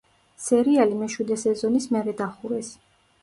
სერიალი მეშვიდე სეზონის მერე დახურეს.